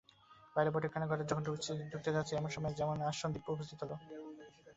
বাইরে বৈঠকখানা-ঘরে যখন ঢুকছে যাচ্ছি এমন সময় সেখানে আজ সন্দীপ এসে উপস্থিত হল।